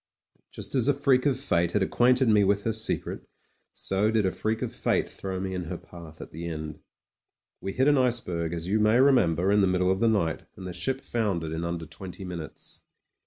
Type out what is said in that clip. Just as a freak of fate had acquainted me with her secret; so did a freak of fate throw me in her path at the end. ... We hit an iceberg, as you may remember, in the middle of the night, and the ship foundered in unider twenty minutes.